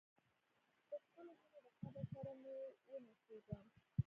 د خپلو هیلو د قبر سره مې ونڅیږم.